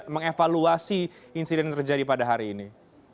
mengevaluasi insiden yang terjadi pada hari ini